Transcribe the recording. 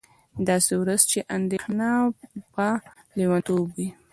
داسې ورځ چې اندېښنه به لېونتوب وي